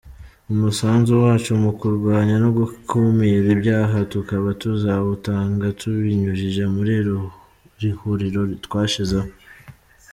Umusanzu wacu mu kurwanya no gukumira ibyah tukaba tuzawutanga tubinyujije muri iri huriro twashizeho."